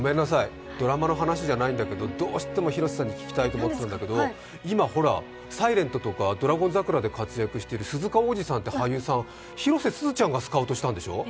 どうしても広瀬さんに聞きたいと思っていたんですけど今、「ｓｉｌｅｎｔ」とか「ドラゴン桜」とかで活躍している鈴鹿央士さんという役者さん広瀬すずちゃんがスカウトしたんでしょ？